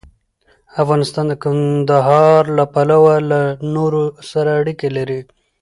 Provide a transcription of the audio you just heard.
افغانستان د کندهار له پلوه له نورو سره اړیکې لري.